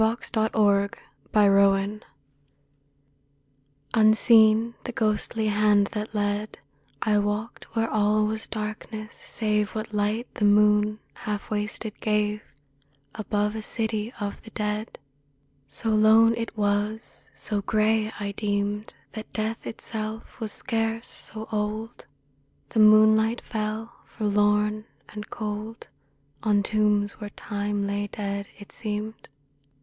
7 6 A DREAM OF FEAR Unseen the ghostly hand that led, I walked where all was darkness, save What light the moon, half wasted, gave Above a city of the dead. So lone it was, so grey, I deemed That death itself was scarce so old; The moonlight fell forlorn and cold On tombs where Time lay dead, it seemed.